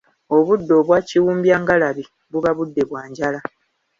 Obudde obwakiwumbyangalabi buba budde bwa njala.